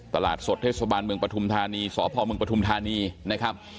ตลาดสดเทศบาลเมืองปฐุมธานีสพเมืองปฐุมธานีนะครับ